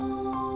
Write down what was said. yang stalur